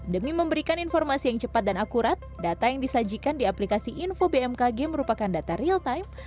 demi memberikan informasi yang cepat dan akurat data yang disajikan di aplikasi info bmkg merupakan data real time